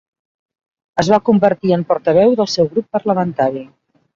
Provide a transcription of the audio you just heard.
Es va convertir en portaveu del seu grup parlamentari.